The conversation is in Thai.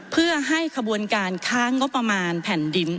เพื่อให้ขบวนการค้างบประมาณแผ่นดิน